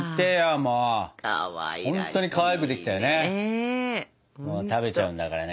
もう食べちゃうんだからね